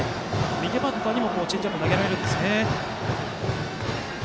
右バッターにもチェンジアップを投げられるんですね。